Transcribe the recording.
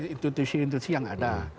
institusi institusi yang ada